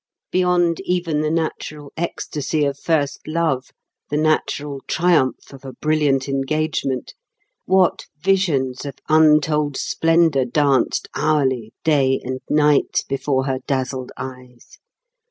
Beyond even the natural ecstasy of first love, the natural triumph of a brilliant engagement, what visions of untold splendour danced hourly, day and night, before her dazzled eyes!